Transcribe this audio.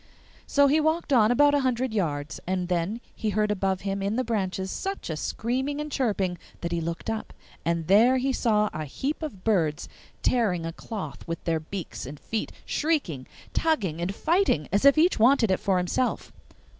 So he walked on about a hundred yards, and then he heard above him in the branches such a screaming and chirping that he looked up, and there he saw a heap of birds tearing a cloth with their beaks and feet, shrieking, tugging, and fighting, as if each wanted it for himself.